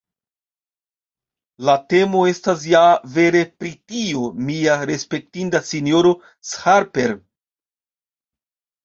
La temo estas ja vere pri tio, mia respektinda sinjoro Sharper!